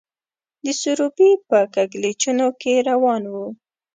د سروبي په کږلېچونو کې روان وو.